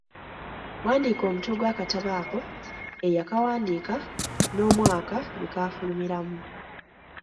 Wandiika omutwe gw'akatabo ako, eyakawandiika n'omwaka gwe kaafulumiramu.